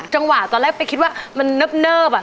จังหวะตอนแรกไปคิดว่ามันเนิบ